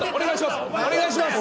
お願いします